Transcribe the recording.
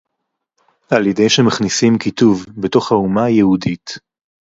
על-ידי שמכניסים קיטוב בתוך האומה היהודית